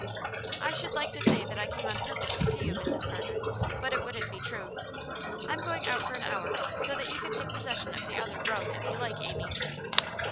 'I should like to say that I came on purpose to see you, Mrs Carter, but it wouldn't be true. I'm going out for an hour, so that you can take possession of the other room if you like, Amy.